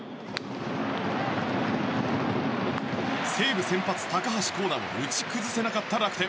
西武先発、高橋光成を打ち崩せなかった楽天。